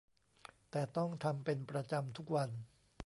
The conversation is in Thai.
แต่ต้องทำเป็นประจำทุกวัน